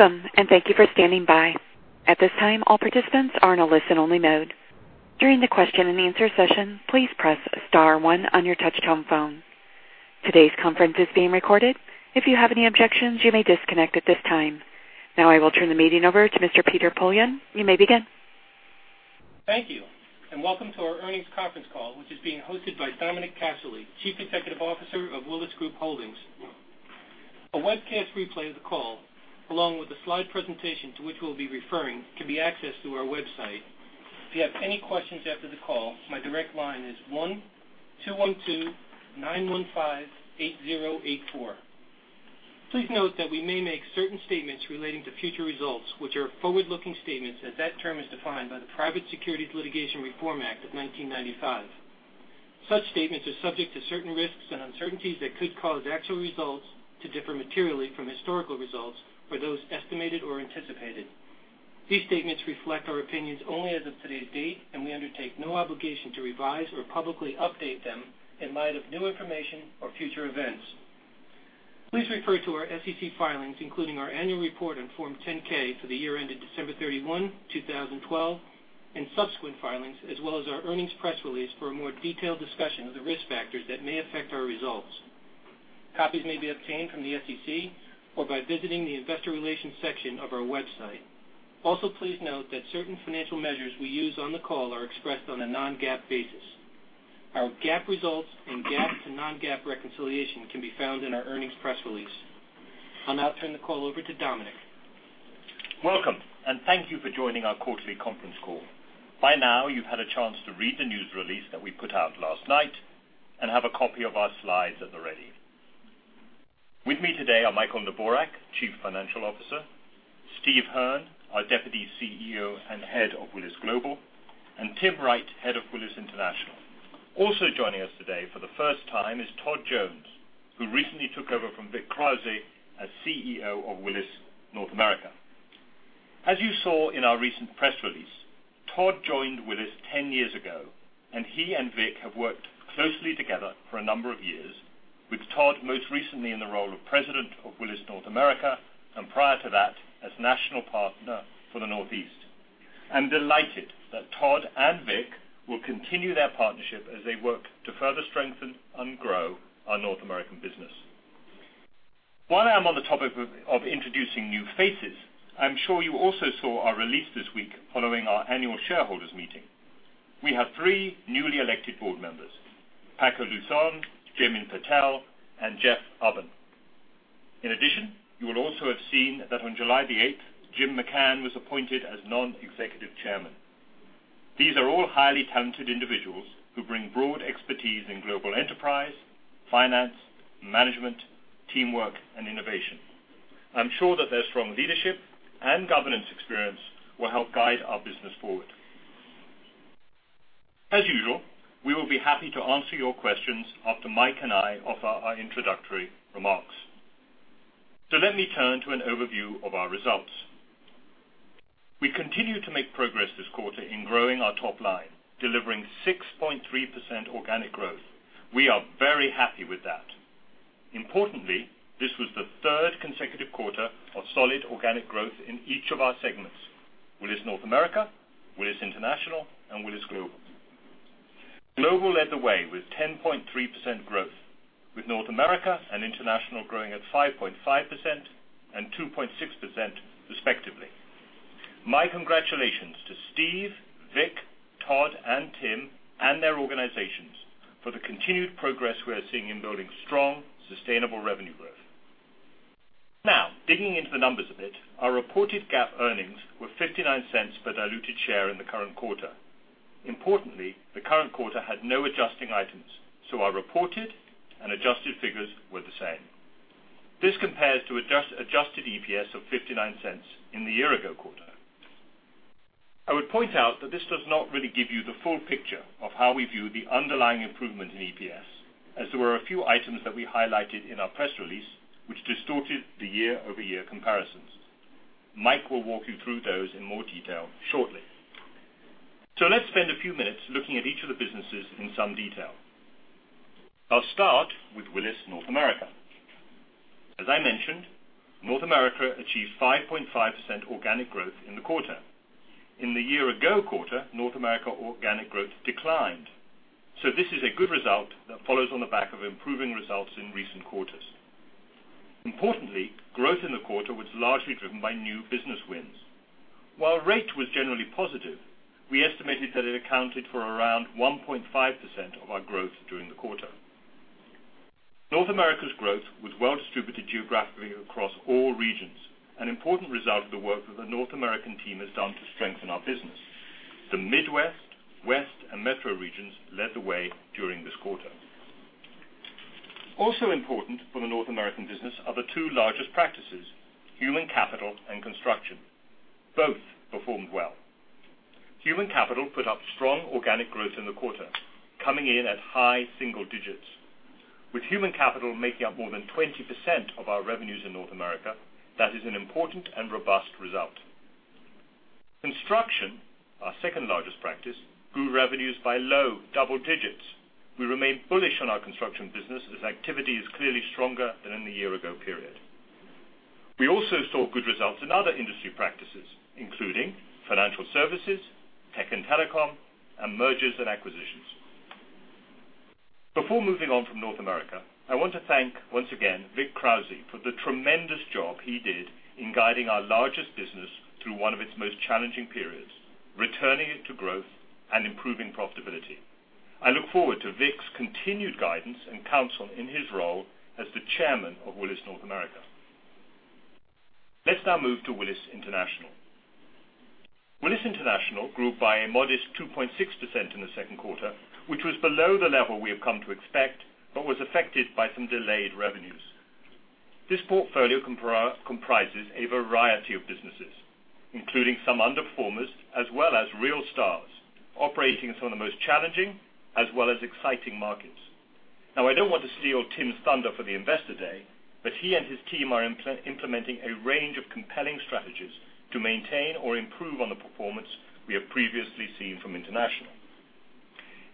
Welcome. Thank you for standing by. At this time, all participants are in a listen-only mode. During the question and answer session, please press star one on your touchtone phone. Today's conference is being recorded. If you have any objections, you may disconnect at this time. Now, I will turn the meeting over to Mr. Peter Poillon. You may begin. Thank you. Welcome to our earnings conference call, which is being hosted by Dominic Casserley, Chief Executive Officer of Willis Group Holdings. A webcast replay of the call, along with the slide presentation to which we'll be referring, can be accessed through our website. If you have any questions after the call, my direct line is 1-212-915-8084. Please note that we may make certain statements relating to future results, which are forward-looking statements as that term is defined by the Private Securities Litigation Reform Act of 1995. Such statements are subject to certain risks and uncertainties that could cause actual results to differ materially from historical results, or those estimated or anticipated. These statements reflect our opinions only as of today's date, and we undertake no obligation to revise or publicly update them in light of new information or future events. Please refer to our SEC filings, including our annual report on Form 10-K for the year ended December 31, 2012, and subsequent filings, as well as our earnings press release for a more detailed discussion of the risk factors that may affect our results. Copies may be obtained from the SEC or by visiting the investor relations section of our website. Please note that certain financial measures we use on the call are expressed on a non-GAAP basis. Our GAAP results and GAAP to non-GAAP reconciliation can be found in our earnings press release. I'll now turn the call over to Dominic. Welcome. Thank you for joining our quarterly conference call. By now, you've had a chance to read the news release that we put out last night and have a copy of our slides at the ready. With me today are Michael Neborak, Chief Financial Officer, Steve Hearn, our Deputy CEO and Head of Willis Global, and Tim Wright, Head of Willis International. Joining us today for the first time is Todd Jones, who recently took over from Vic Krauze as CEO of Willis North America. As you saw in our recent press release, Todd joined Willis 10 years ago, and he and Vic have worked closely together for a number of years with Todd, most recently in the role of President of Willis North America, and prior to that, as national partner for the Northeast. I'm delighted that Todd and Vic will continue their partnership as they work to further strengthen and grow our Willis North America business. While I'm on the topic of introducing new faces, I'm sure you also saw our release this week following our annual shareholders meeting. We have three newly elected board members, Paco Luzón, Jaymin Patel, and Jeffrey Ubben. In addition, you will also have seen that on July 8th, Jim McCann was appointed as Non-Executive Chairman. These are all highly talented individuals who bring broad expertise in global enterprise, finance, management, teamwork, and innovation. I'm sure that their strong leadership and governance experience will help guide our business forward. As usual, we will be happy to answer your questions after Mike and I offer our introductory remarks. Let me turn to an overview of our results. We continue to make progress this quarter in growing our top line, delivering 6.3% organic growth. We are very happy with that. Importantly, this was the third consecutive quarter of solid organic growth in each of our segments, Willis North America, Willis International, and Willis Global. Global led the way with 10.3% growth, with North America and International growing at 5.5% and 2.6%, respectively. My congratulations to Steve, Vic, Todd, and Tim, and their organizations for the continued progress we are seeing in building strong, sustainable revenue growth. Digging into the numbers a bit, our reported GAAP earnings were $0.59 per diluted share in the current quarter. Importantly, the current quarter had no adjusting items, so our reported and adjusted figures were the same. This compares to adjusted EPS of $0.59 in the year-ago quarter. I would point out that this does not really give you the full picture of how we view the underlying improvement in EPS, as there were a few items that we highlighted in our press release, which distorted the year-over-year comparisons. Mike will walk you through those in more detail shortly. Let's spend a few minutes looking at each of the businesses in some detail. I'll start with Willis North America. As I mentioned, North America achieved 5.5% organic growth in the quarter. In the year-ago quarter, North America organic growth declined. This is a good result that follows on the back of improving results in recent quarters. Importantly, growth in the quarter was largely driven by new business wins. While rate was generally positive, we estimated that it accounted for around 1.5% of our growth during the quarter. North America's growth was well distributed geographically across all regions, an important result of the work that the North American team has done to strengthen our business. The Midwest, West, and metro regions led the way during this quarter. Important for the North American business are the two largest practices, human capital and construction. Both performed well. Human capital put up strong organic growth in the quarter, coming in at high single digits. With human capital making up more than 20% of our revenues in North America, that is an important and robust result. Construction, our second-largest practice, grew revenues by low double digits. We remain bullish on our construction business as activity is clearly stronger than in the year-ago period. We also saw good results in other industry practices, including financial services, tech and telecom, and mergers and acquisitions. Before moving on from North America, I want to thank once again, Vic Krauze, for the tremendous job he did in guiding our largest business through one of its most challenging periods, returning it to growth and improving profitability. I look forward to Vic's continued guidance and counsel in his role as the chairman of Willis North America. Let's now move to Willis International. Willis International grew by a modest 2.6% in the second quarter, which was below the level we have come to expect but was affected by some delayed revenues. This portfolio comprises a variety of businesses, including some underperformers, as well as real stars, operating in some of the most challenging as well as exciting markets. I don't want to steal Tim's thunder for the Investor Day, but he and his team are implementing a range of compelling strategies to maintain or improve on the performance we have previously seen from International.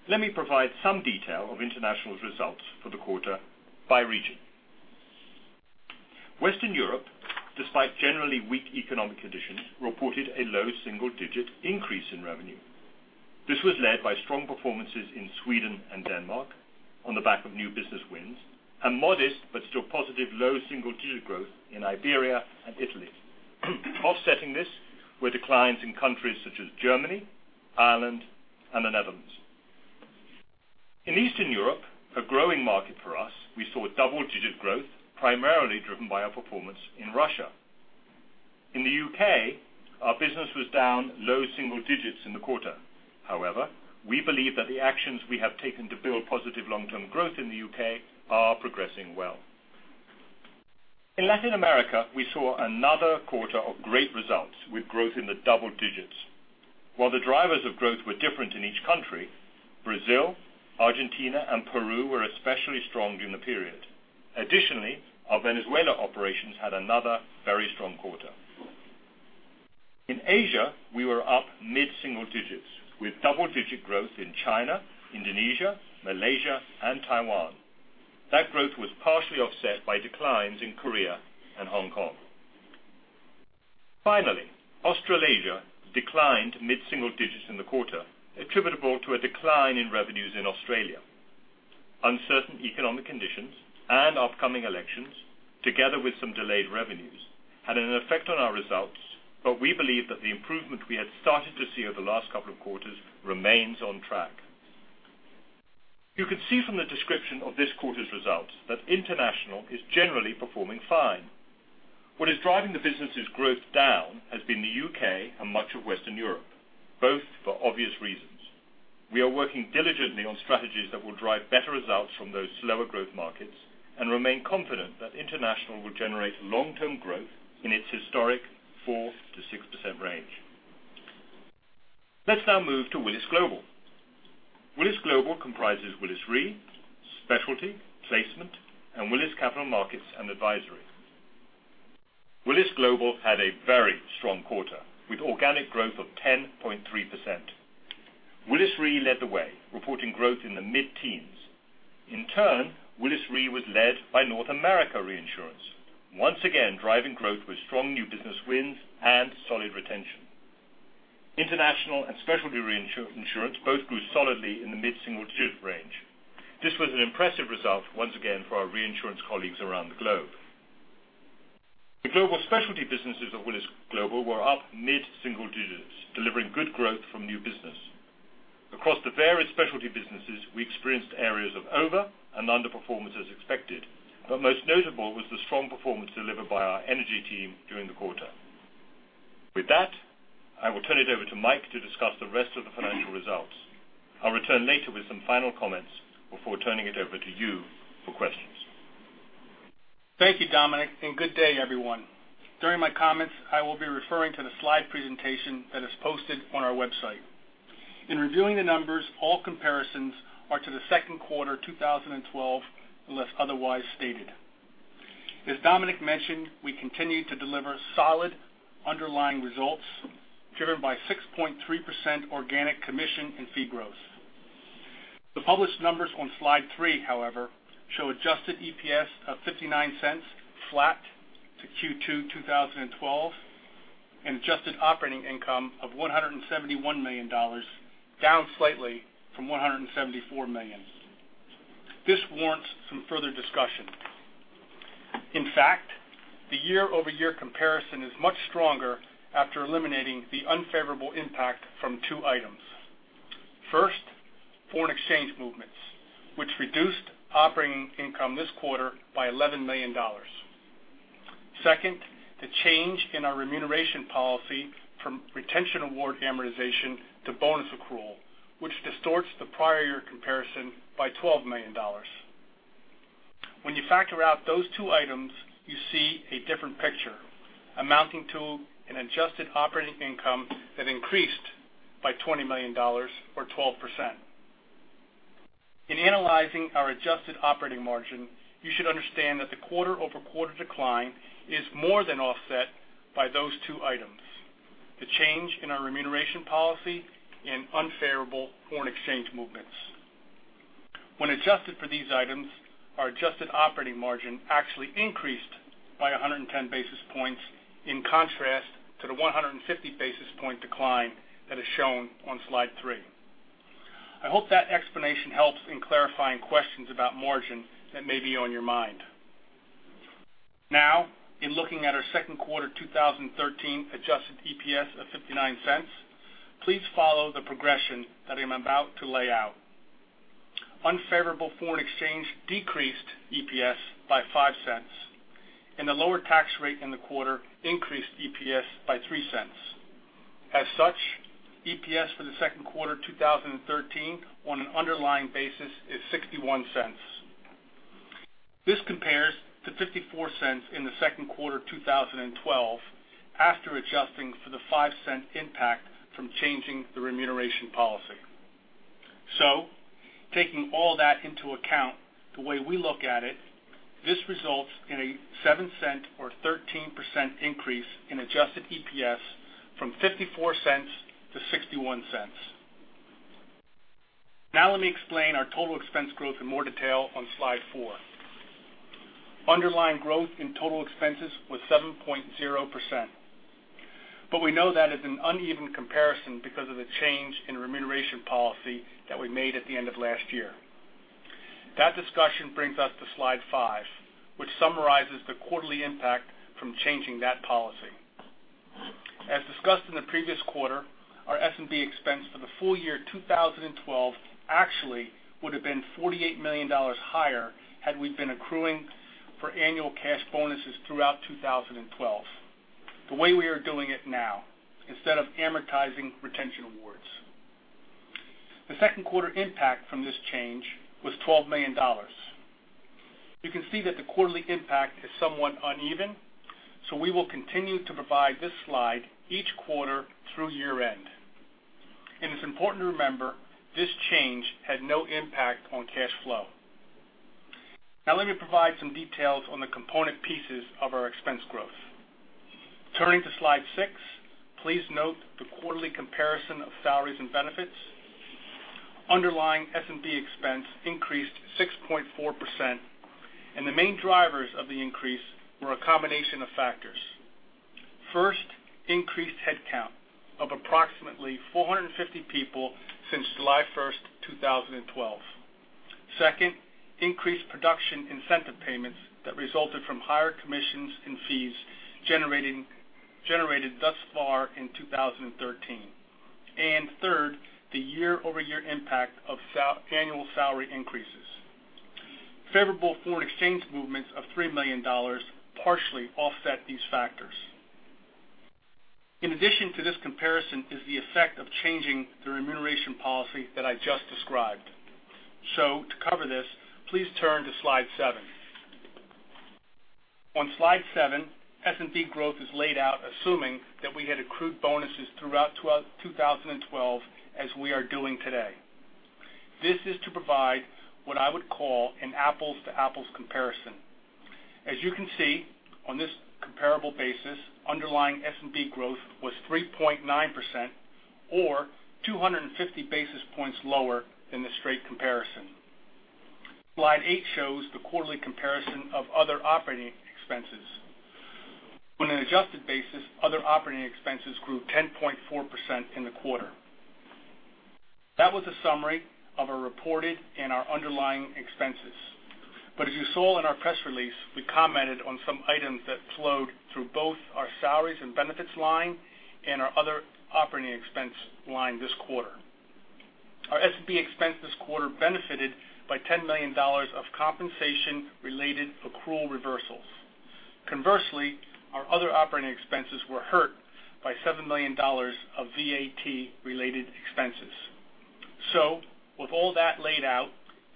Let me provide some detail of International's results for the quarter by region. Western Europe, despite generally weak economic conditions, reported a low single-digit increase in revenue. This was led by strong performances in Sweden and Denmark on the back of new business wins and modest but still positive low single-digit growth in Iberia and Italy. Offsetting this were declines in countries such as Germany, Ireland, and the Netherlands. In Eastern Europe, a growing market for us, we saw double-digit growth, primarily driven by our performance in Russia. In the U.K., our business was down low single digits in the quarter. We believe that the actions we have taken to build positive long-term growth in the U.K. are progressing well. In Latin America, we saw another quarter of great results with growth in the double digits. While the drivers of growth were different in each country, Brazil, Argentina, and Peru were especially strong during the period. Additionally, our Venezuela operations had another very strong quarter. In Asia, we were up mid-single digits with double-digit growth in China, Indonesia, Malaysia, and Taiwan. That growth was partially offset by declines in Korea and Hong Kong. Finally, Australasia declined mid-single digits in the quarter, attributable to a decline in revenues in Australia. Uncertain economic conditions and upcoming elections, together with some delayed revenues, had an effect on our results, but we believe that the improvement we had started to see over the last couple of quarters remains on track. You can see from the description of this quarter's results that International is generally performing fine. What is driving the business's growth down has been the U.K. and much of Western Europe, both for obvious reasons. We are working diligently on strategies that will drive better results from those slower growth markets and remain confident that International will generate long-term growth in its historic 4%-6% range. Let's now move to Willis Global. Willis Global comprises Willis Re, Specialty, Placement, and Willis Capital Markets and Advisory. Willis Global had a very strong quarter, with organic growth of 10.3%. Willis Re led the way, reporting growth in the mid-teens. In turn, Willis Re was led by North America Reinsurance, once again driving growth with strong new business wins and solid retention. International and specialty reinsurance both grew solidly in the mid-single-digit range. This was an impressive result once again for our reinsurance colleagues around the globe. The global specialty businesses of Willis Global were up mid-single digits, delivering good growth from new business. Across the various specialty businesses, we experienced areas of over and underperformance as expected, but most notable was the strong performance delivered by our energy team during the quarter. With that, I will turn it over to Mike to discuss the rest of the financial results. I'll return later with some final comments before turning it over to you for questions. Thank you, Dominic, good day, everyone. During my comments, I will be referring to the slide presentation that is posted on our website. In reviewing the numbers, all comparisons are to the second quarter 2012, unless otherwise stated. As Dominic mentioned, we continue to deliver solid underlying results driven by 6.3% organic commission and fee growth. The published numbers on slide three, however, show adjusted EPS of $0.59 flat to Q2 2012, and adjusted operating income of $171 million, down slightly from $174 million. This warrants some further discussion. In fact, the year-over-year comparison is much stronger after eliminating the unfavorable impact from two items. First, foreign exchange movements, which reduced operating income this quarter by $11 million. Second, the change in our remuneration policy from retention award amortization to bonus accrual, which distorts the prior year comparison by $12 million. When you factor out those two items, you see a different picture, amounting to an adjusted operating income that increased by $20 million or 12%. In analyzing our adjusted operating margin, you should understand that the quarter-over-quarter decline is more than offset by those two items, the change in our remuneration policy and unfavorable foreign exchange movements. When adjusted for these items, our adjusted operating margin actually increased by 110 basis points in contrast to the 150 basis point decline that is shown on slide three. I hope that explanation helps in clarifying questions about margin that may be on your mind. Now, in looking at our second quarter 2013 adjusted EPS of $0.59, please follow the progression that I'm about to lay out. Unfavorable foreign exchange decreased EPS by $0.05, the lower tax rate in the quarter increased EPS by $0.03. As such, EPS for the second quarter 2013 on an underlying basis is $0.61. This compares to $0.54 in the second quarter 2012 after adjusting for the $0.05 impact from changing the remuneration policy. Taking all that into account, the way we look at it, this results in a $0.07 or 13% increase in adjusted EPS from $0.54 to $0.61. Now let me explain our total expense growth in more detail on slide four. Underlying growth in total expenses was 7.0%, we know that is an uneven comparison because of the change in remuneration policy that we made at the end of last year. That discussion brings us to slide five, which summarizes the quarterly impact from changing that policy. As discussed in the previous quarter, our S&B expense for the full year 2012 actually would have been $48 million higher had we been accruing for annual cash bonuses throughout 2012, the way we are doing it now, instead of amortizing retention awards. The second quarter impact from this change was $12 million. You can see that the quarterly impact is somewhat uneven, so we will continue to provide this slide each quarter through year end. It's important to remember this change had no impact on cash flow. Let me provide some details on the component pieces of our expense growth. Turning to slide six, please note the quarterly comparison of salaries and benefits. Underlying S&B expense increased 6.4%, and the main drivers of the increase were a combination of factors. First, increased headcount of approximately 450 people since July 1st, 2012. Second, increased production incentive payments that resulted from higher commissions and fees generated thus far in 2013. Third, the year-over-year impact of annual salary increases. Favorable foreign exchange movements of $3 million partially offset these factors. In addition to this comparison is the effect of changing the remuneration policy that I just described. To cover this, please turn to slide seven. On slide seven, S&B growth is laid out assuming that we had accrued bonuses throughout 2012 as we are doing today. This is to provide what I would call an apples-to-apples comparison. As you can see on this comparable basis, underlying S&B growth was 3.9% or 250 basis points lower than the straight comparison. Slide eight shows the quarterly comparison of other operating expenses. On an adjusted basis, other operating expenses grew 10.4% in the quarter. That was a summary of our reported and our underlying expenses. As you saw in our press release, we commented on some items that flowed through both our salaries and benefits line and our other operating expense line this quarter. Our S&B expense this quarter benefited by $10 million of compensation-related accrual reversals. Conversely, our other operating expenses were hurt by $7 million of VAT-related expenses. With all that laid out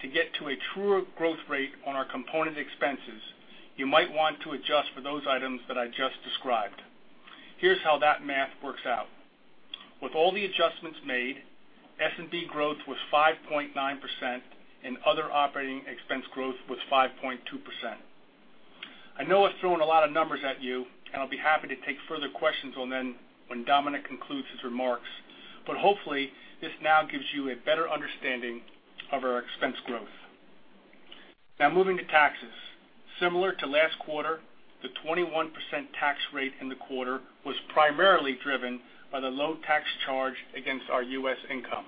to get to a truer growth rate on our component expenses, you might want to adjust for those items that I just described. Here's how that math works out. With all the adjustments made, S&B growth was 5.9% and other operating expense growth was 5.2%. I know I've thrown a lot of numbers at you, and I'll be happy to take further questions when Dominic concludes his remarks, but hopefully this now gives you a better understanding of our expense growth. Moving to taxes. Similar to last quarter, the 21% tax rate in the quarter was primarily driven by the low tax charge against our U.S. income.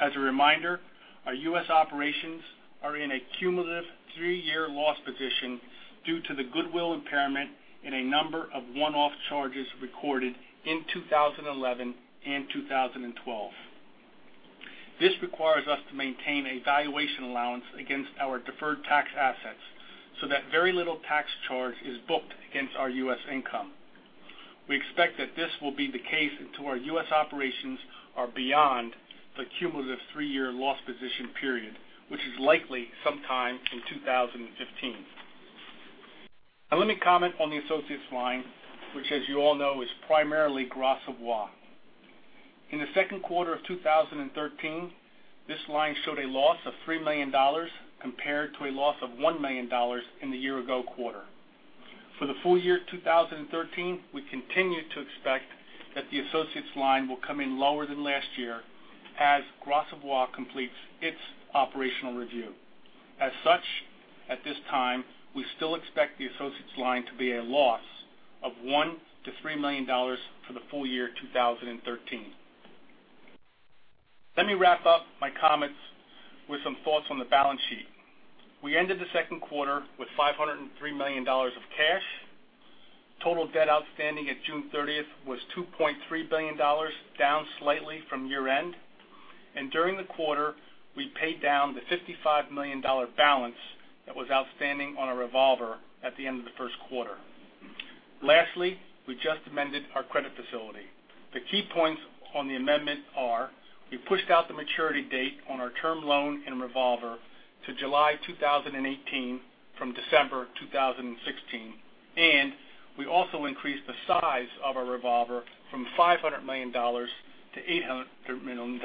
As a reminder, our U.S. operations are in a cumulative three-year loss position due to the goodwill impairment in a number of one-off charges recorded in 2011 and 2012. This requires us to maintain a valuation allowance against our deferred tax assets so that very little tax charge is booked against our U.S. income. We expect that this will be the case until our U.S. operations are beyond the cumulative three-year loss position period, which is likely sometime in 2015. Let me comment on the associates line, which as you all know is primarily Gras Savoye. In the second quarter of 2013, this line showed a loss of $3 million compared to a loss of $1 million in the year-ago quarter. For the full year 2013, we continue to expect that the associates line will come in lower than last year as Gras Savoye completes its operational review. As such, at this time, we still expect the associates line to be a loss of $1 million-$3 million for the full year 2013. Let me wrap up my comments with some thoughts on the balance sheet. We ended the second quarter with $503 million of cash. Total debt outstanding at June 30th was $2.3 billion, down slightly from year-end. During the quarter, we paid down the $55 million balance that was outstanding on a revolver at the end of the first quarter. Lastly, we just amended our credit facility. The key points on the amendment are we pushed out the maturity date on our term loan and revolver to July 2018 from December 2016. We also increased the size of our revolver from $500 million to $800 million,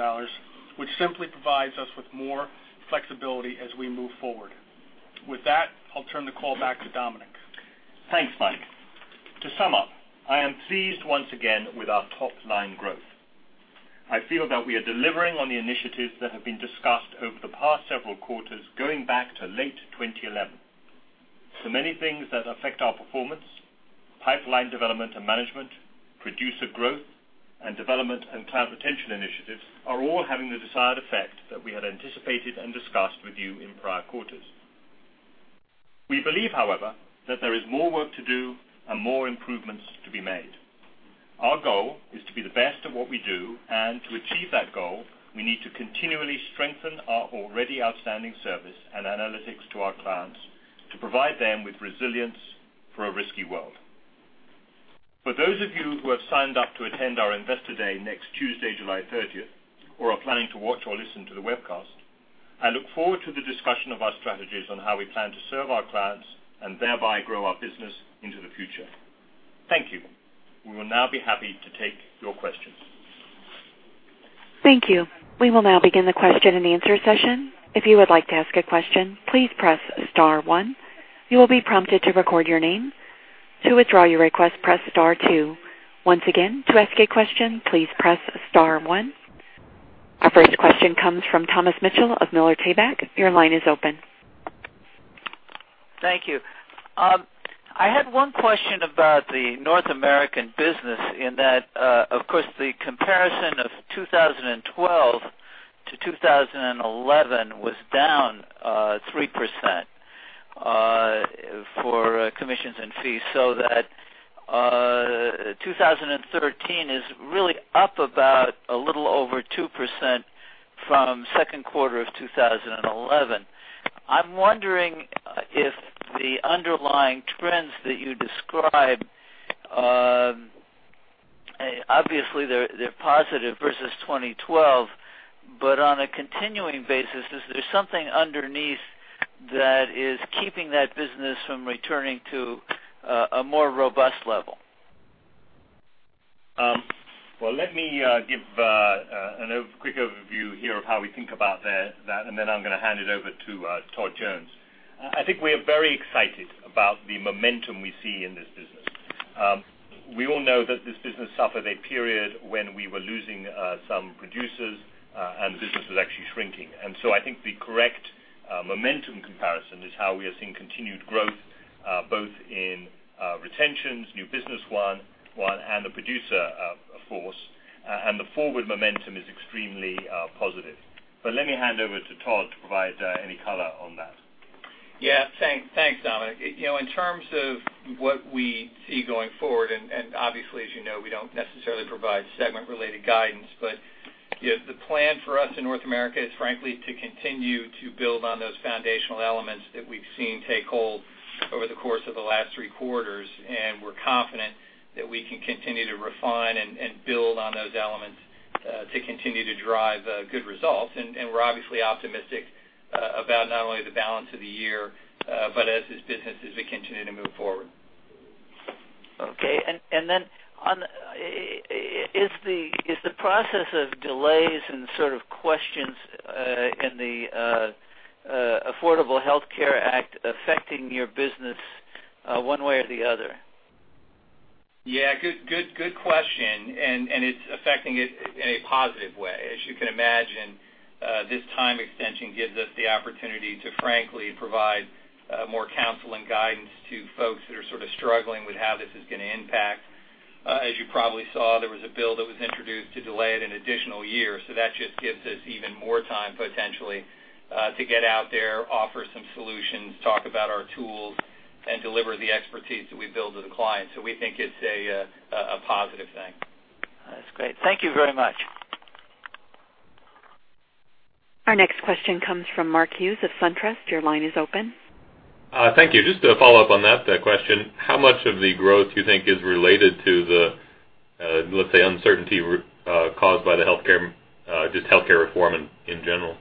which simply provides us with more flexibility as we move forward. With that, I'll turn the call back to Dominic. Thanks, Mike. To sum up, I am pleased once again with our top-line growth. I feel that we are delivering on the initiatives that have been discussed over the past several quarters, going back to late 2011. Many things that affect our performance, pipeline development and management, producer growth, and development and client retention initiatives are all having the desired effect that we had anticipated and discussed with you in prior quarters. We believe, however, that there is more work to do and more improvements to be made. Our goal is to be the best at what we do, and to achieve that goal, we need to continually strengthen our already outstanding service and analytics to our clients to provide them with resilience for a risky world. For those of you who have signed up to attend our Investor Day next Tuesday, July 30th, or are planning to watch or listen to the webcast, I look forward to the discussion of our strategies on how we plan to serve our clients and thereby grow our business into the future. Thank you. We will now be happy to take your questions. Thank you. We will now begin the question and answer session. If you would like to ask a question, please press star one. You will be prompted to record your name. To withdraw your request, press star two. Once again, to ask a question, please press star one. Our first question comes from Thomas Mitchell of Miller Tabak. Your line is open. Thank you. I had one question about the Willis North America business in that, of course, the comparison of 2012 to 2011 was down 3% for commissions and fees, so that 2013 is really up about a little over 2% from second quarter of 2011. I'm wondering if the underlying trends that you described, obviously they're positive versus 2012, but on a continuing basis, is there something underneath that is keeping that business from returning to a more robust level? Well, let me give a quick overview here of how we think about that, then I'm going to hand it over to Todd Jones. I think we are very excited about the momentum we see in this business. We all know that this business suffered a period when we were losing some producers and the business was actually shrinking. I think the correct momentum comparison is how we are seeing continued growth both in retentions, new business won, and the producer force. The forward momentum is extremely positive. Let me hand over to Todd to provide any color on that. Yeah. Thanks, Dominic. In terms of what we see going forward, obviously, as you know, we don't necessarily provide segment-related guidance, the plan for us in Willis North America is frankly to continue to build on those foundational elements that we've seen take hold over the course of the last three quarters. We're confident that we can continue to refine and build on those elements to continue to drive good results. We're obviously optimistic about not only the balance of the year, but as this business is, we continue to move forward. Okay. Is the process of delays and sort of questions in the Affordable Care Act affecting your business one way or the other? Yeah. Good question. It's affecting it in a positive way. As you can imagine, this time extension gives us the opportunity to frankly provide more counsel and guidance to folks that are sort of struggling with how this is going to impact. As you probably saw, there was a bill that was introduced to delay it an additional year. That just gives us even more time potentially to get out there, offer some solutions, talk about our tools, and deliver the expertise that we build to the clients. We think it's a positive thing. That's great. Thank you very much. Our next question comes from Mark Hughes of SunTrust. Your line is open. Thank you. Just to follow up on that question, how much of the growth you think is related to the, let's say, uncertainty caused by the Healthcare Reform in general?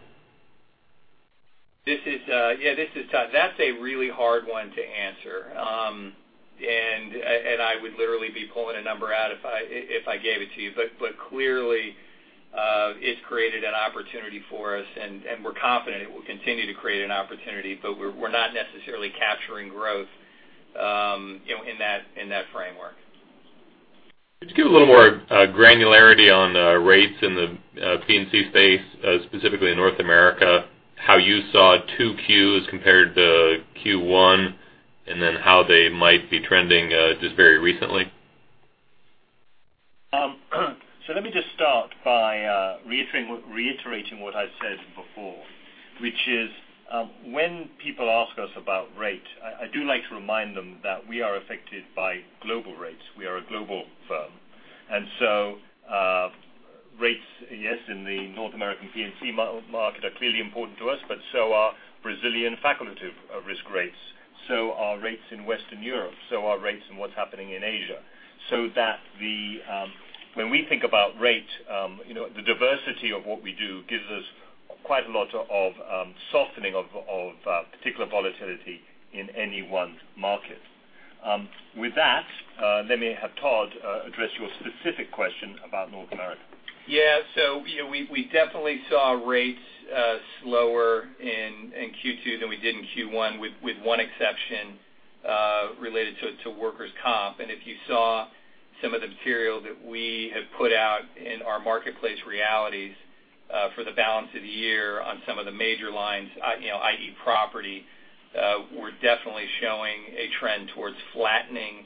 That's a really hard one to answer. I would literally be pulling a number out if I gave it to you. Clearly, it's created an opportunity for us, and we're confident it will continue to create an opportunity, but we're not necessarily capturing growth in that framework. Could you give a little more granularity on the rates in the P&C space, specifically in North America, how you saw 2Q as compared to Q1, and then how they might be trending just very recently? Let me just start by reiterating what I said before, which is, when people ask us about rate, I do like to remind them that we are affected by global rates. We are a global firm. Rates, yes, in the North American P&C market are clearly important to us, but so are Brazilian facultative risk rates. Are rates in Western Europe, so are rates and what's happening in Asia. When we think about rate, the diversity of what we do gives us quite a lot of softening of particular volatility in any one market. With that, let me have Todd address your specific question about North America. We definitely saw rates slower in Q2 than we did in Q1, with one exception, related to workers' comp. If you saw some of the material that we have put out in our Marketplace Realities for the balance of the year on some of the major lines, i.e. property, we're definitely showing a trend towards flattening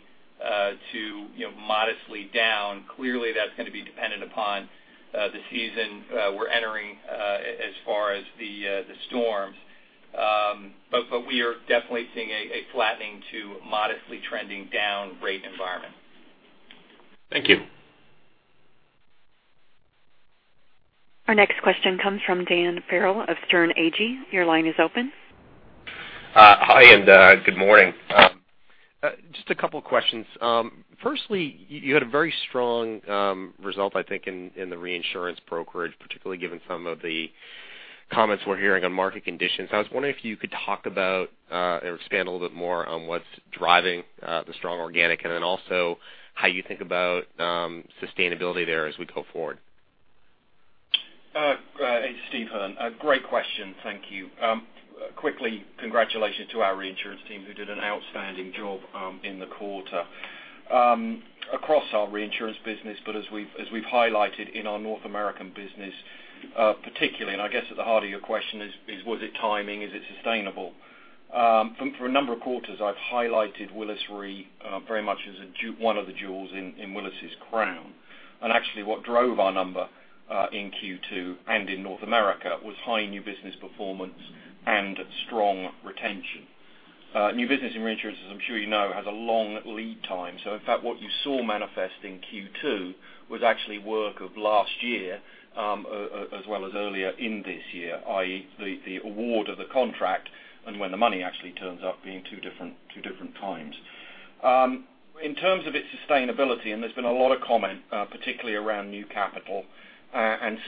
to modestly down. Clearly, that's going to be dependent upon the season we're entering as far as the storms. We are definitely seeing a flattening to modestly trending down rate environment. Thank you. Our next question comes from Dan Farrell of Sterne Agee. Your line is open. Hi, good morning. Just a couple of questions. Firstly, you had a very strong result, I think, in the reinsurance brokerage, particularly given some of the comments we're hearing on market conditions. I was wondering if you could talk about or expand a little bit more on what's driving the strong organic, also how you think about sustainability there as we go forward. It's Steve Hearn. Great question. Thank you. Quickly, congratulations to our reinsurance team, who did an outstanding job in the quarter. As we've highlighted in our Willis North America business, particularly, I guess at the heart of your question is, was it timing? Is it sustainable? For a number of quarters, I've highlighted Willis Re very much as one of the jewels in Willis' crown. Actually, what drove our number in Q2 and in Willis North America was high new business performance and strong retention. New business in reinsurance, as I'm sure you know, has a long lead time. In fact, what you saw manifest in Q2 was actually work of last year, as well as earlier in this year, i.e., the award of the contract and when the money actually turns up being two different times. In terms of its sustainability, there's been a lot of comment, particularly around new capital,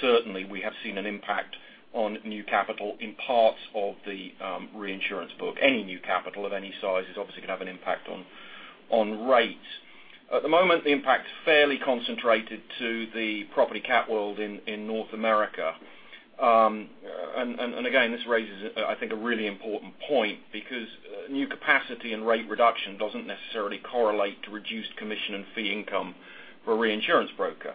certainly we have seen an impact on new capital in parts of the reinsurance book. Any new capital of any size is obviously going to have an impact on rates. At the moment, the impact is fairly concentrated to the property cat world in Willis North America. Again, this raises, I think, a really important point, because new capacity and rate reduction doesn't necessarily correlate to reduced commission and fee income for a reinsurance broker.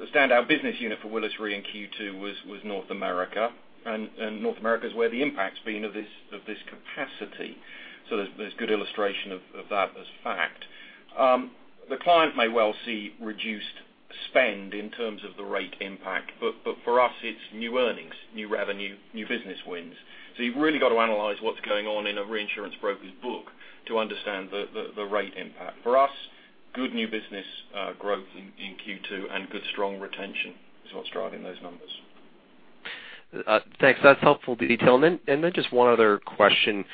The standout business unit for Willis Re in Q2 was Willis North America, Willis North America is where the impact's been of this capacity. There's a good illustration of that as fact. The client may well see reduced spend in terms of the rate impact, for us, it's new earnings, new revenue, new business wins. You've really got to analyze what's going on in a reinsurance broker's book to understand the rate impact. For us, good new business growth in Q2 and good strong retention is what's driving those numbers. Thanks. That's helpful detail. Then just one other question.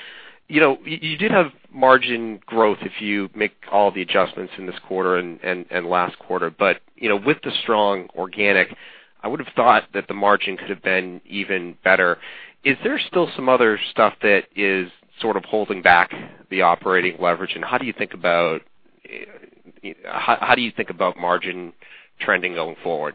You did have margin growth if you make all the adjustments in this quarter and last quarter. With the strong organic, I would have thought that the margin could have been even better. Is there still some other stuff that is sort of holding back the operating leverage? How do you think about margin trending going forward?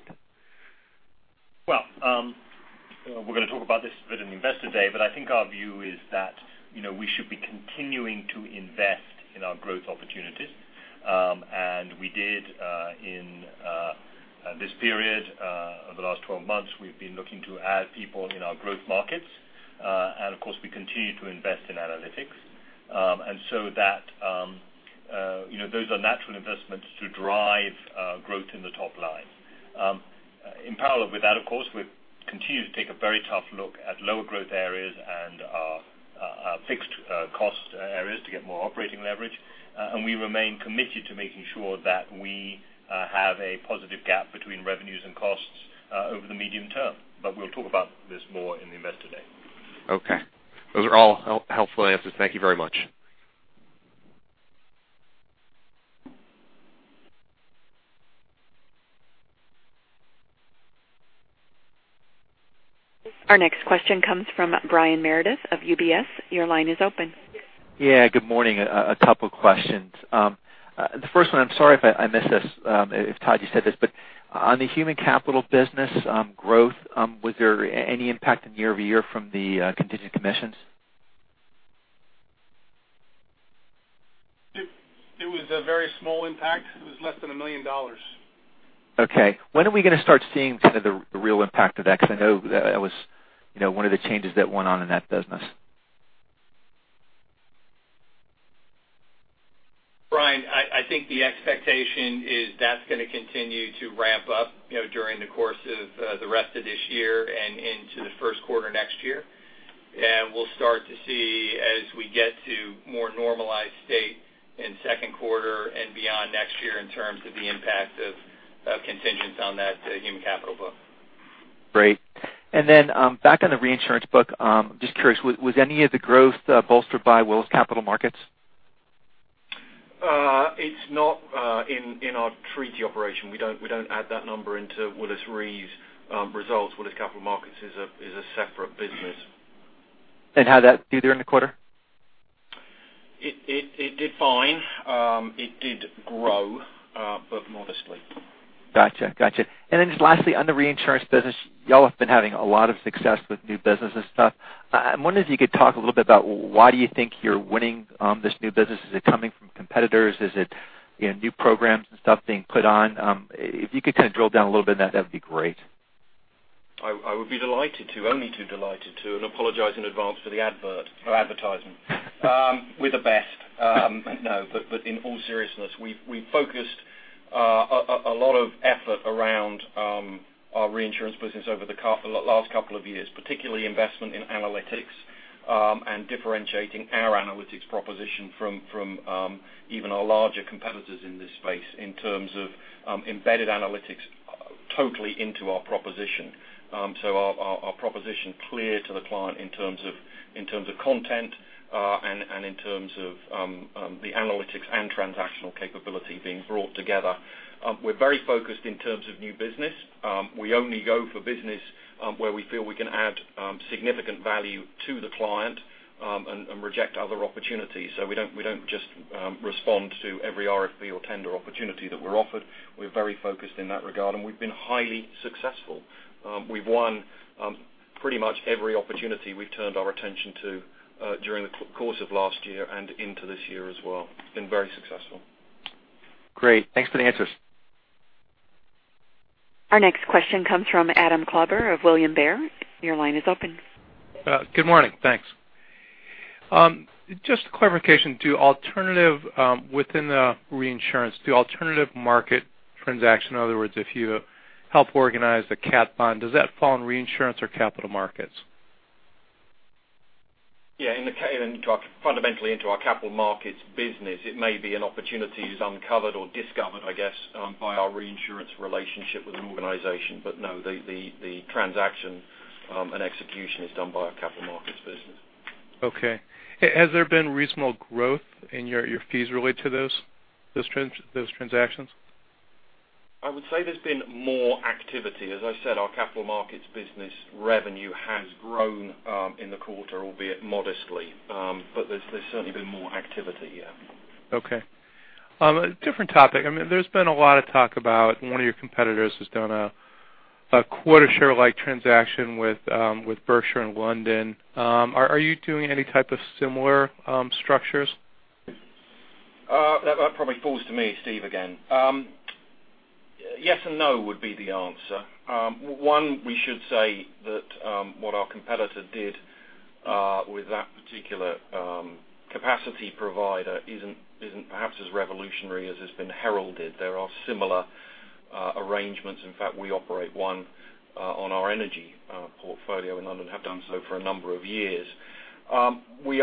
We're going to talk about this a bit in Investor Day, I think our view is that we should be continuing to invest in our growth opportunities. We did in this period. Over the last 12 months, we've been looking to add people in our growth markets. Of course, we continue to invest in analytics. Those are natural investments to drive growth in the top line. In parallel with that, of course, we've continued to take a very tough look at lower growth areas and our fixed cost areas to get more operating leverage. We remain committed to making sure that we have a positive gap between revenues and costs over the medium term. We'll talk about this more in the Investor Day. Those are all helpful answers. Thank you very much. Our next question comes from Brian Meredith of UBS. Your line is open. Good morning. A couple of questions. The first one, I'm sorry if I missed this, if Todd you said this, but on the human capital business growth, was there any impact in year-over-year from the contingent commissions? It was a very small impact. It was less than $1 million. Okay. When are we going to start seeing the real impact of that? I know that was one of the changes that went on in that business. Brian, I think the expectation is that's going to continue to ramp up during the course of the rest of this year and into the first quarter next year. We'll start to see as we get to more normalized state in second quarter and beyond next year in terms of the impact of contingents on that human capital book. Great. Back on the reinsurance book, just curious, was any of the growth bolstered by Willis Capital Markets? It's not in our treaty operation. We don't add that number into Willis Re's results. Willis Capital Markets is a separate business. How'd that do during the quarter? It did fine. It did grow, but modestly. Got you. Just lastly, on the reinsurance business, you all have been having a lot of success with new business and stuff. I wonder if you could talk a little bit about why do you think you're winning this new business. Is it coming from competitors? Is it new programs and stuff being put on? If you could kind of drill down a little bit on that'd be great. I would be delighted to, only too delighted to, and apologize in advance for the advert or advertisement. We're the best. In all seriousness, we focused a lot of effort around our reinsurance business over the last couple of years, particularly investment in analytics, and differentiating our analytics proposition from even our larger competitors in this space in terms of embedded analytics totally into our proposition. Our proposition clear to the client in terms of content and in terms of the analytics and transactional capability being brought together. We're very focused in terms of new business. We only go for business where we feel we can add significant value to the client, and reject other opportunities. We don't just respond to every RFP or tender opportunity that we're offered. We're very focused in that regard, and we've been highly successful. We've won pretty much every opportunity we've turned our attention to during the course of last year and into this year as well. Been very successful. Great. Thanks for the answers. Our next question comes from Adam Klauber of William Blair. Your line is open. Good morning. Thanks. Just a clarification, within the reinsurance, do alternative market transaction, in other words, if you help organize a cat bond, does that fall in reinsurance or capital markets? Yeah, fundamentally into our capital markets business, it may be an opportunity is uncovered or discovered, I guess, by our reinsurance relationship with an organization. No, the transaction and execution is done by our capital markets business. Okay. Has there been reasonable growth in your fees related to those transactions? I would say there's been more activity. As I said, our capital markets business revenue has grown in the quarter, albeit modestly. There's certainly been more activity, yeah. Okay. A different topic. There's been a lot of talk about one of your competitors has done a quota share like transaction with Berkshire in London. Are you doing any type of similar structures? That probably falls to me, Steve, again. Yes and no would be the answer. One, we should say that what our competitor did with that particular capacity provider isn't perhaps as revolutionary as it's been heralded. There are similar arrangements. In fact, we operate one on our energy portfolio in London, have done so for a number of years. We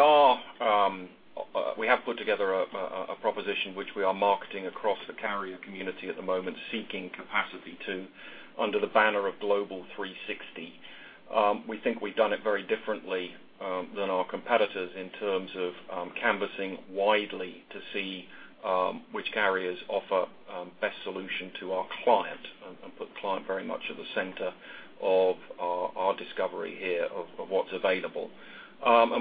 have put together a proposition which we are marketing across the carrier community at the moment, seeking capacity too, under the banner of Global 360. We think we've done it very differently than our competitors in terms of canvassing widely to see which carriers offer best solution to our client and put the client very much at the center of our discovery here of what's available.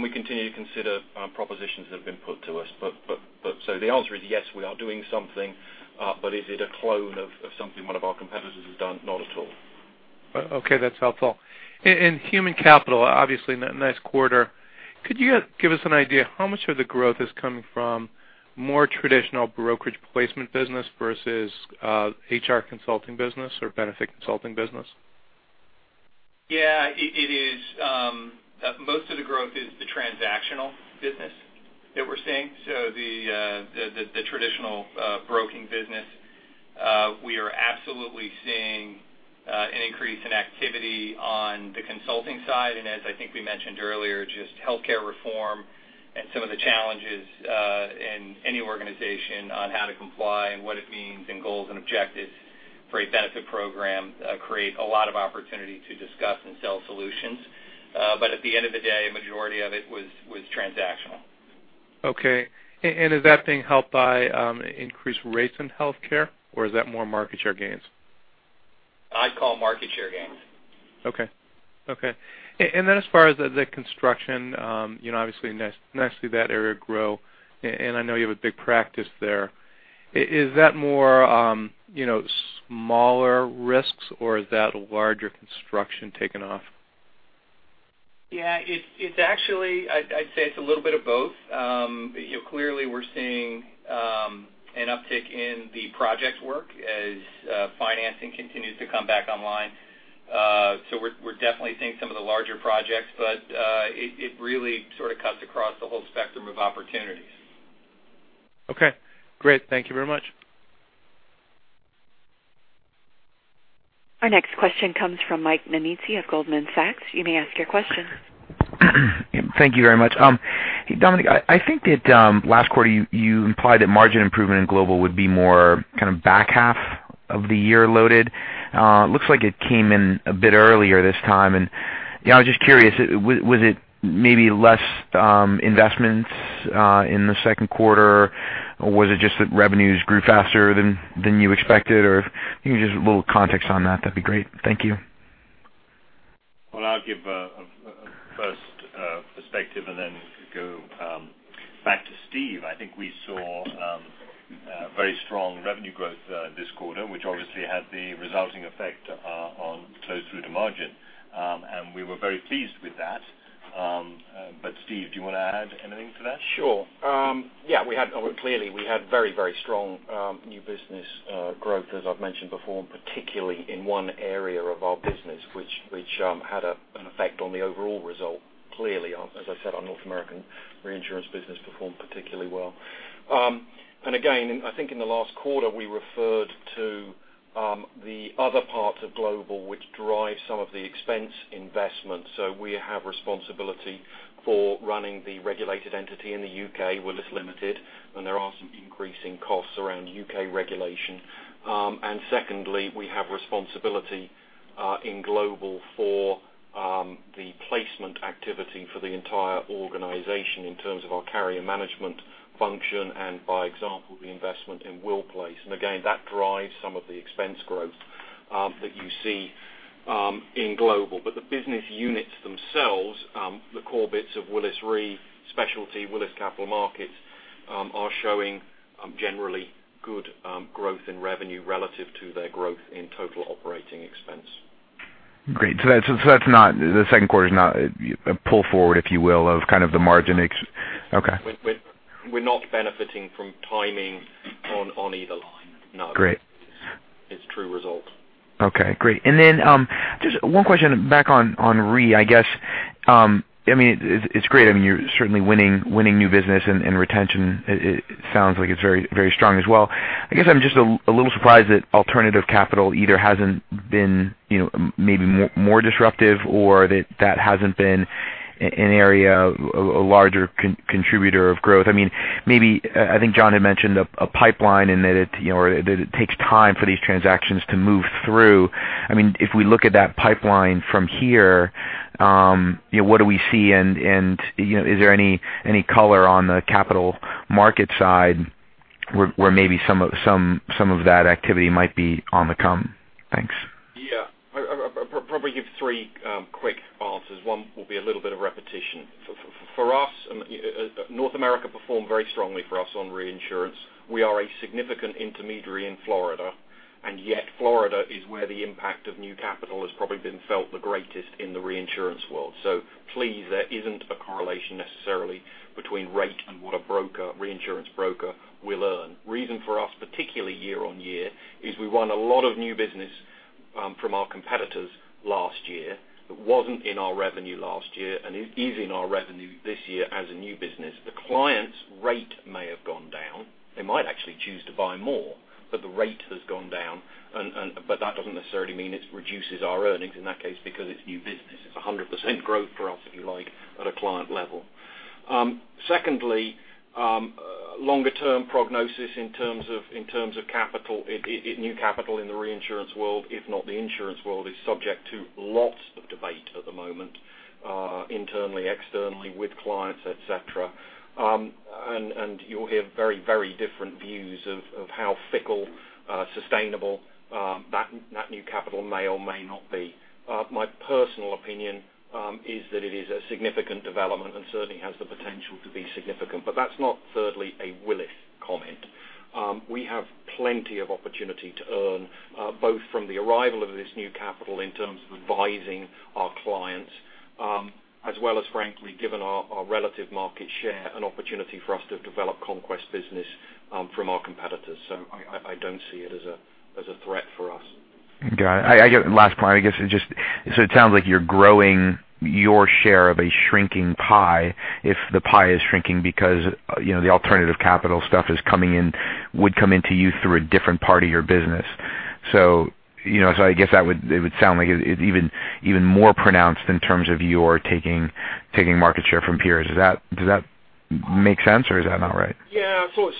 We continue to consider propositions that have been put to us. The answer is yes, we are doing something. Is it a clone of something one of our competitors has done? Not at all. Okay. That's helpful. In human capital, obviously, nice quarter. Could you give us an idea how much of the growth is coming from more traditional brokerage placement business versus HR consulting business or benefit consulting business? Most of the growth is the transactional business that we're seeing. The traditional broking business. We are absolutely seeing an increase in activity on the consulting side. As I think we mentioned earlier, just healthcare reform and some of the challenges in any organization on how to comply and what it means and goals and objectives for a benefit program create a lot of opportunity to discuss and sell solutions. At the end of the day, a majority of it was transactional. Okay. Is that being helped by increased rates in healthcare, or is that more market share gains? I'd call market share gains. Okay. As far as the construction, obviously nicely that area grow, and I know you have a big practice there. Is that more smaller risks or is that larger construction taking off? I'd say it's a little bit of both. Clearly we're seeing an uptick in the project work as financing continues to come back online. We're definitely seeing some of the larger projects, but it really sort of cuts across the whole spectrum of opportunities. Okay, great. Thank you very much. Our next question comes from Michael Nannizzi of Goldman Sachs. You may ask your question. Thank you very much. Dominic, I think that last quarter you implied that margin improvement in Global would be more kind of back half of the year loaded. Looks like it came in a bit earlier this time, and I was just curious, was it maybe less investments in the second quarter, or was it just that revenues grew faster than you expected? If you can give just a little context on that'd be great. Thank you. Well, I'll give a first perspective and then go back to Steve. I think we saw very strong revenue growth this quarter, which obviously had the resulting effect on flow through to margin. We were very pleased with that. Steve, do you want to add anything to that? Sure. Yeah, clearly we had very strong new business growth, as I've mentioned before, particularly in one area of our business, which had an effect on the overall result. Clearly, as I said, our North American reinsurance business performed particularly well. Again, I think in the last quarter, we referred to the other parts of global which drive some of the expense investments. So we have responsibility for running the regulated entity in the U.K., Willis Limited, and there are some increasing costs around U.K. regulation. Secondly, we have responsibility in global for the placement activity for the entire organization in terms of our carrier management function and by example, the investment in Willis Place. Again, that drives some of the expense growth that you see in global. The business units themselves, the core bits of Willis Re, Specialty Willis Capital Markets, are showing generally good growth in revenue relative to their growth in total operating expense. Great. The second quarter is not pull forward, if you will, of kind of the margin. Okay. We're not benefiting from timing on either line. No. Great. It's true results. Okay, great. Just one question back on Re, I guess. It's great, you're certainly winning new business and retention, it sounds like it's very strong as well. I guess I'm just a little surprised that alternative capital either hasn't been maybe more disruptive or that hasn't been an area, a larger contributor of growth. Maybe, I think John had mentioned a pipeline and that it takes time for these transactions to move through. If we look at that pipeline from here, what do we see and is there any color on the capital market side where maybe some of that activity might be on the come? Thanks. Yeah. I'll probably give three quick answers. One will be a little bit of repetition. North America performed very strongly for us on reinsurance. We are a significant intermediary in Florida, and yet Florida is where the impact of new capital has probably been felt the greatest in the reinsurance world. Please, there isn't a correlation necessarily between rate and what a reinsurance broker will earn. Reason for us, particularly year-over-year, is we won a lot of new business from our competitors last year that wasn't in our revenue last year and is in our revenue this year as a new business. The client's rate may have gone down. They might actually choose to buy more, but the rate has gone down, but that doesn't necessarily mean it reduces our earnings in that case because it's new business. It's 100% growth for us, if you like, at a client level. Secondly, longer term prognosis in terms of new capital in the reinsurance world, if not the insurance world, is subject to lots of debate at the moment, internally, externally with clients, et cetera. You'll hear very different views of how fickle, sustainable that new capital may or may not be. My personal opinion is that it is a significant development and certainly has the potential to be significant. That's not, thirdly, a Willis comment. We have plenty of opportunity to earn both from the arrival of this new capital in terms of advising our clients, as well as frankly, given our relative market share, an opportunity for us to develop conquest business from our competitors. I don't see it as a threat for us. Got it. Last part, I guess it just sounds like you're growing your share of a shrinking pie if the pie is shrinking because the alternative capital stuff would come into you through a different part of your business. I guess that it would sound like it even more pronounced in terms of your taking market share from peers. Does that make sense or is that not right? Yeah, sort